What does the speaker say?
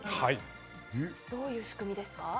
どういう仕組みですか？